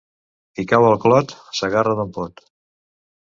Qui cau al clot, s'agarra d'on pot.